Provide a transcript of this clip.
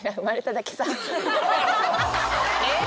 えっ？